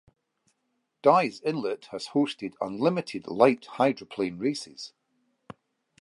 Dyes Inlet has hosted Unlimited Light Hydroplane races.